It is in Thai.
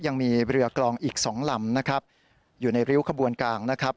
ยังมีเรือกลองอีกสองลำนะครับอยู่ในริ้วขบวนกลางนะครับ